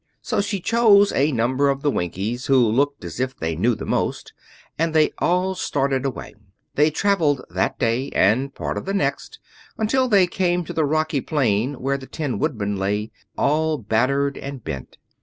So she chose a number of the Winkies who looked as if they knew the most, and they all started away. They traveled that day and part of the next until they came to the rocky plain where the Tin Woodman lay, all battered and bent.